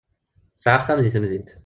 Tesɛa axxam deg temdint.